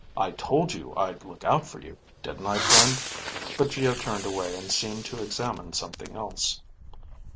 "I told you I'd look out for you, didn't I, friend?" But Geo turned away and seemed to examine something else.